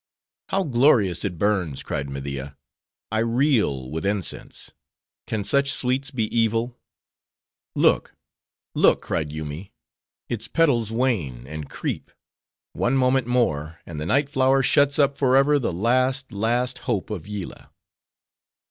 "How glorious it burns!" cried Media. I reel with incense:—can such sweets be evil?" "Look! look!" cried Yoomy, "its petals wane, and creep; one moment more, and the night flower shuts up forever the last, last hope of Yillah!"